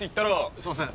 すいません。